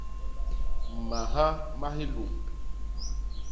Mmaha ma hiluñ.